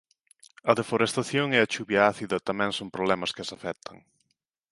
A deforestación e a chuvia ácida tamén son problemas que as afectan.